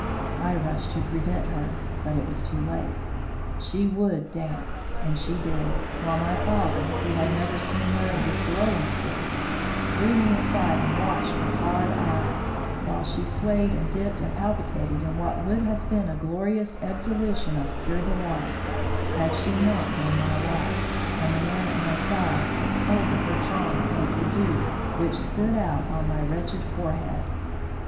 I rushed to prevent her, but it was too late. She would dance, and she did, while my father, who had never seen her in this glowing state, drew me aside and watched with hard eyes, while she swayed and dipped and palpitated in what would have been a glorious ebullition of pure delight, had she not been my wife, and the man at my side as cold to her charm as the dew which stood out on my wretched forehead.